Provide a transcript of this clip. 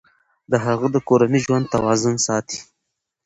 هغه د کورني ژوند توازن ساتي.